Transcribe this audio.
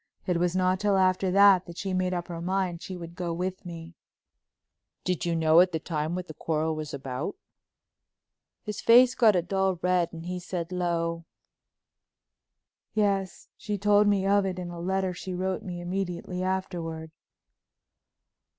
It was not till after that that she made up her mind she would go with me." "Did you know at the time what that quarrel was about?" His face got a dull red and he said low. "Yes, she told me of it in a letter she wrote me immediately afterward."